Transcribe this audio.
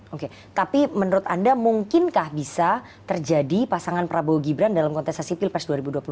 oke tapi menurut anda mungkinkah bisa terjadi pasangan prabowo gibran dalam kontestasi pilpres dua ribu dua puluh empat